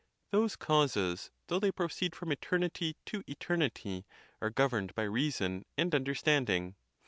Those causes, though they proceed from eternity to eternity, are governed by reason and understanding.